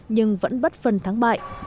nhưng vẫn bất phần thắng bại